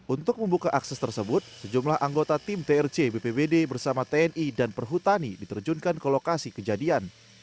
untuk membuka akses tersebut sejumlah anggota tim trc bpbd bersama tni dan perhutani diterjunkan ke lokasi kejadian